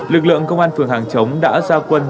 lực lượng công an phường hàng chống đã ra quân